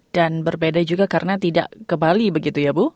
dan berbeda juga karena tidak ke bali begitu ya bu